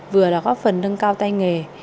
vừa là có phần nâng cao tay nghề